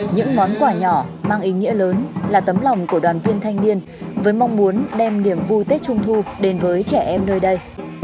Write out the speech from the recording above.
những món quà nhỏ mang ý nghĩa lớn là tấm lòng của đoàn viên thanh niên với mong muốn đem niềm vui tết trung thu đến với trẻ em nơi đây